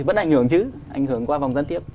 vẫn ảnh hưởng chứ ảnh hưởng qua vòng gián tiếp